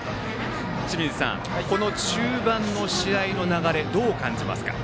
清水さん、中盤の試合の流れどう感じますか？